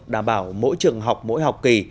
đảm bảo mỗi trường học mỗi học kỳ